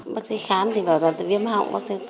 bác sĩ khám thì bảo là viêm họng bác sĩ cứ đơn thuốc